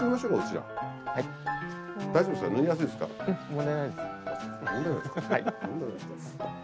問題ないですか。